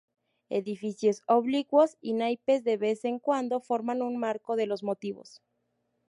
Edificios oblicuos y naipes de vez en cuando forman un marco de los motivos.